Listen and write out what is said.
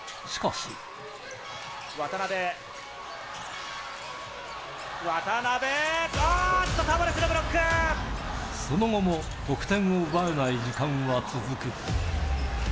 渡邊、渡邊、あーっと、その後も得点を奪えない時間は続く。